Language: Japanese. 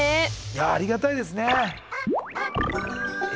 いやありがたいですね。